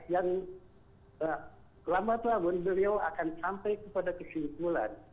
yang lama tahun beliau akan sampai kepada kesimpulan